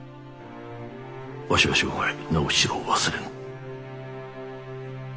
わしは生涯直七郎を忘れぬ。